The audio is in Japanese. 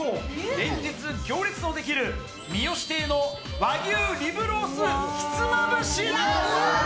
連日行列の出来る三芳亭の和牛リブロースひつまぶしです。